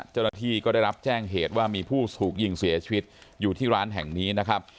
เจ้าหน้าที่ก็ได้รับแจ้งเหตุว่ามีผู้ถูกยิงเสียชีวิตอยู่ที่ร้านแห่งนี้นะครับ